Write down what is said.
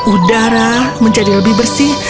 udara menjadi lebih bersih